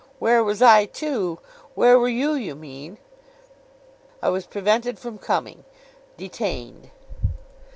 Where was I too! Where were you, you mean.' 'I was prevented from coming—detained.